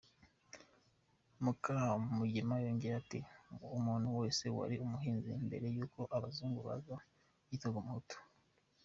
Mukamugema yongeyeho ati ”Umuntu wese wari umuhinzi mbere y’uko abazungu baza yitwaga umuhutu.